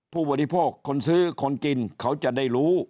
ผู้บริโภคคนซื้อคนกินเขาจะได้รู้